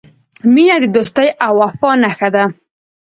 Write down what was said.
• مینه د دوستۍ او وفا نښه ده.